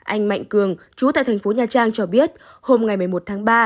anh mạnh cường chú tại thành phố nha trang cho biết hôm ngày một mươi một tháng ba